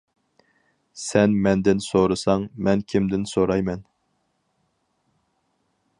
-سەن مەندىن سورىساڭ، مەن كىمدىن سورايمەن.